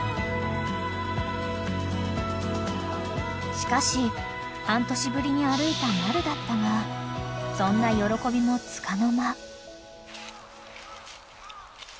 ［しかし半年ぶりに歩いたマルだったがそんな喜びもつかの間］